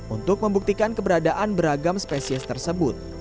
untuk membuktikan keberadaan beragam spesies tersebut